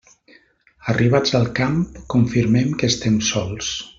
Arribats al camp, confirmem que estem sols.